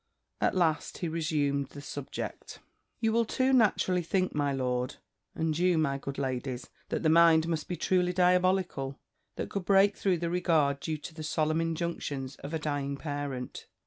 At last he resumed the subject. "You will too naturally think, my lord and you, my good ladies that the mind must be truly diabolical, that could break through the regard due to the solemn injunctions of a dying parent.